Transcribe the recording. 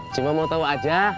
cuma mau tau aja